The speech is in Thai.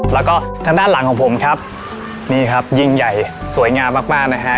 แล้วก็ทางด้านหลังของผมครับนี่ครับยิ่งใหญ่สวยงามมากมากนะฮะ